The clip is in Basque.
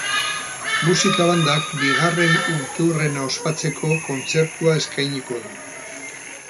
Musika bandak bigarren urteurrena ospatzeko kontzertua eskainiko du.